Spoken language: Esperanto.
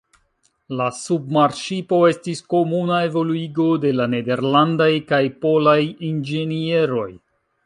La submarŝipo estis komuna evoluigo de la nederlandaj kaj polaj inĝenieroj.